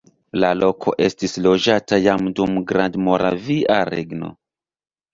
La loko estis loĝata jam dum Grandmoravia Regno.